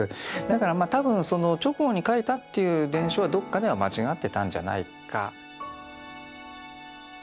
だからまあ多分その直後に描いたっていう伝承はどっかでは間違ってたんじゃないか。